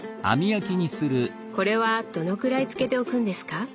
これはどのくらい漬けておくんですか？